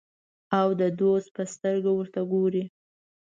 او د دوست په سترګه ورته ګوري.